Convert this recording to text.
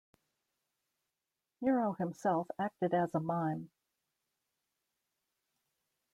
Nero himself acted as a mime.